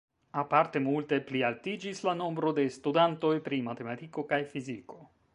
Aparte multe plialtiĝis la nombro de studantoj pri matematiko kaj fiziko.